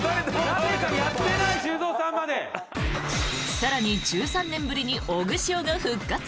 更に１３年ぶりにオグシオが復活！